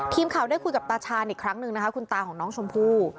ทีมข่าวได้คุยกับตาชาญอีกครั้งหนึ่งนะคะคุณตาของน้องชมพู่